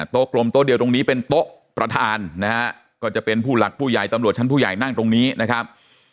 กลมโต๊ะเดียวตรงนี้เป็นโต๊ะประธานนะฮะก็จะเป็นผู้หลักผู้ใหญ่ตำรวจชั้นผู้ใหญ่นั่งตรงนี้นะครับ